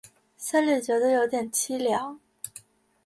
心里觉得有点凄凉